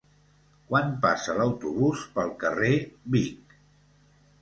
Quan passa l'autobús pel carrer Vic?